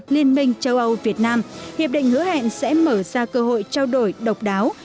liên minh châu âu việt nam hiệp định hứa hẹn sẽ mở ra cơ hội trao đổi độc đáo